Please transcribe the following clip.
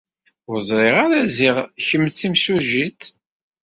Ur ẓriɣ ara ziɣ kemm d timsujjit.